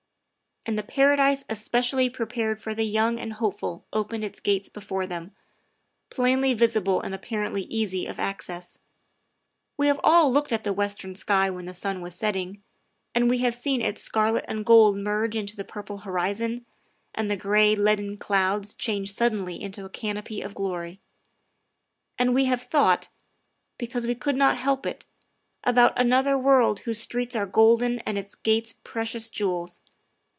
And the paradise especially prepared for the young and hopeful opened its gates before them, plainly visible and apparently easy of access. We have all looked at the western sky when the sun was setting ; we have seen its scarlet and gold merge into the purple horizon, and the gray, leaden clouds change suddenly into a canopy THE SECRETARY OF STATE 47 of glory; and we have thought, because we could not help it, about another world whose streets are golden and its gates precious jewels.